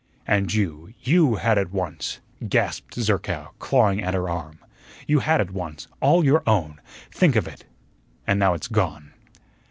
"And you, YOU had it once," gasped Zerkow, clawing at her arm; "you had it once, all your own. Think of it, and now it's gone."